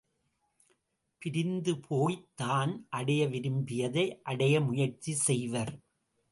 பிரிந்து போய்த் தான் அடைய விரும்பியதை அடைய முயற்சி செய்வர்.